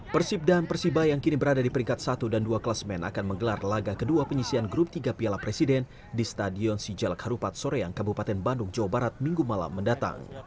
persib dan persiba yang kini berada di peringkat satu dan dua kelas men akan menggelar laga kedua penyisian grup tiga piala presiden di stadion sijalak harupat soreang kabupaten bandung jawa barat minggu malam mendatang